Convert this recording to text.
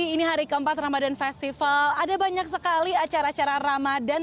ini hari keempat ramadan festival ada banyak sekali acara acara ramadhan